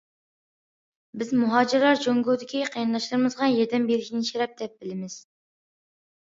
بىز مۇھاجىرلار جۇڭگودىكى قېرىنداشلىرىمىزغا ياردەم بېرىشنى شەرەپ دەپ بىلىمىز.